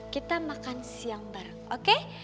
kita makan siang bareng oke